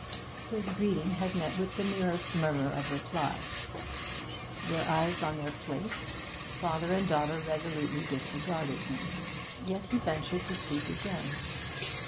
His greeting had met with the merest murmur of reply; their eyes on their plates, father and daughter resolutely disregarded him; yet he ventured to speak again.